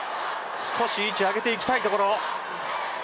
少し位置を上げていきたいところ。